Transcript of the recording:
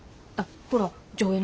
あっほら条